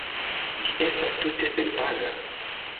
Ĝi estas tute senpaga.